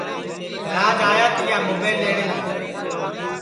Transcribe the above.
راج آیا تیا مُبیل لئیٹؔے نتر